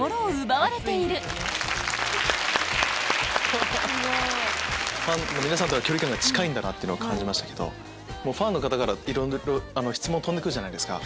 そんなファンの皆さんとは距離感が近いんだなと感じましたけどファンの方からいろいろ質問飛んで来るじゃないですか。